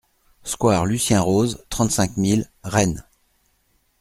Square Lucien Rose, trente-cinq mille Rennes